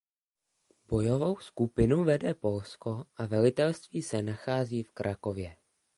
Bojovou skupinu vede Polsko a velitelství se nachází v Krakově.